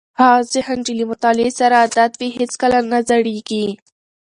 هغه ذهن چې له مطالعې سره عادت وي هیڅکله نه زړېږي.